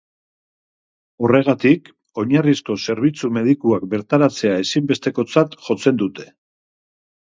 Horregatik, oinarrizko zerbitzu medikuak bertaratzea ezinbestekotzat jotzen dute.